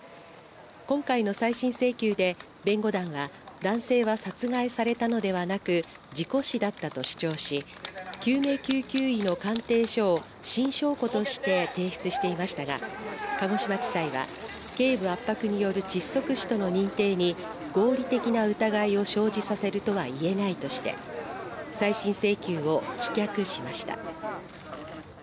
今回の再審請求で弁護団は男性は殺害されたのではなく事故死だったと主張し救命救急医の鑑定書を新証拠として提出していましたが鹿児島地裁は頸部圧迫による窒息死との認定に合理的な疑いを生じさせるとはいえないとして再審請求を棄却しました。